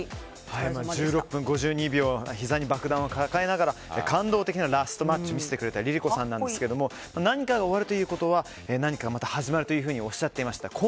１６分５２秒ひざに爆弾を抱えながら感動的なラストマッチを見せてくれたＬｉＬｉＣｏさんですが何かが終わるということは何かがまた始まるというふうにおっしゃっていました。